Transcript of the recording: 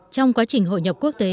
trong quá trình hội nhập quốc tế